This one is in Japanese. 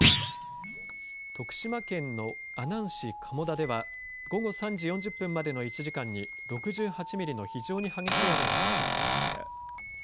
徳島県の阿南市蒲生田では午後３時４０分までの１時間に６８ミリの非常に激しい雨が観測されました。